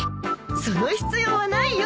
その必要はないよ。